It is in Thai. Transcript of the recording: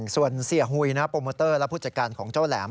ส่วนเสียหุยโปรโมเตอร์และผู้จัดการของเจ้าแหลม